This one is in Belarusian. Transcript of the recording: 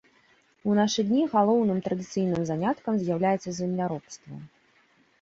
У нашы дні галоўным традыцыйным заняткам з'яўляецца земляробства.